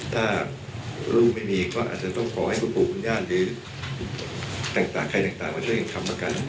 ถ้าลูกไม่มีก็อาจจะต้องขอให้คุณปู่คุณย่าหรือต่างใครต่างมาช่วยกันทำแล้วกัน